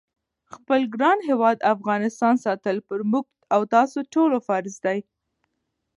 خپل ګران هیواد افغانستان ساتل پر موږ او تاسی ټولوفرض دی